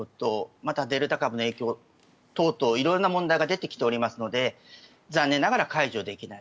またデルタ株の影響等々と色んな影響が出てきておりますので残念ながら解除できない。